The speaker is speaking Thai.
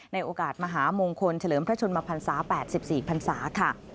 ในโอกาสมหามงคลเฉลิมพระชนมพันศา๘๔พันศาค่ะ